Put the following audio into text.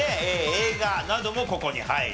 映画などもここに入ると。